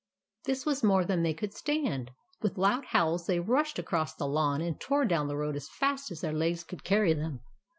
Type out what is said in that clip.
This was more than they could stand. With loud howls, they rushed across the lawn, and tore down the road as fast as their legs could carry them.